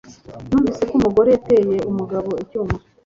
Numvise ko umugore yateye umugabo icyuma